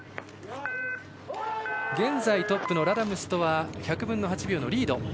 現在トップのラダムスには１００分の８秒のリード。